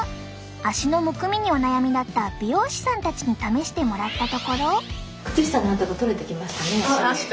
足のむくみにお悩みだった美容師さんたちに試してもらったところ。